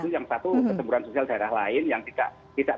yang satu ketemburan sosial daerah lain yang tidak